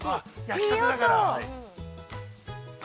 いい音。